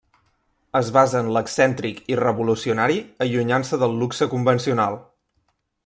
Es basa en l'excèntric i revolucionari, allunyant-se del luxe convencional.